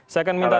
saya akan minta